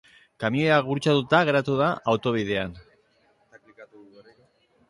Kamioia gurutzatuta geratu da autobidean.